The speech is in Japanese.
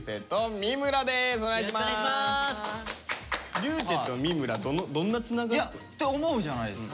りゅうちぇと三村どんなつながり？って思うじゃないですか。